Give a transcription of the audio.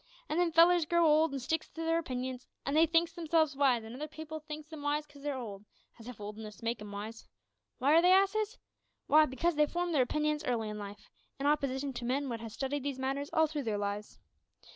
An' them fellers grow old, an' sticks to their opinions; an' they think themselves wise, an' other people thinks 'em wise 'cause they're old, as if oldness made 'em wise! W'y are they asses? W'y, because they formed their opinions early in life, in opposition to men wot has studied these matters all through their lives.